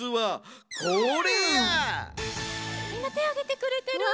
みんなてあげてくれてる。